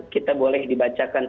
kita boleh dibacakan